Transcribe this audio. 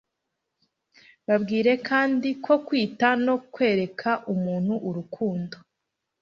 babwire kandi ko kwita no kwereka umuntu urukundo